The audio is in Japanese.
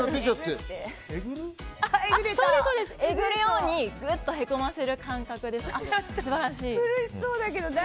えぐるようにぐっとへこませる感じです。